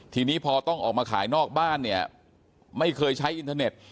ทีนี้พอต้องออกมาขายนอกบ้านเนี่ยไม่เคยใช้อินเทอร์เน็ต